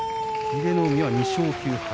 英乃海は２勝９敗。